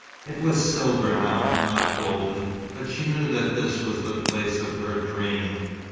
It was silver now, not golden; but she knew that this was the place of her dream.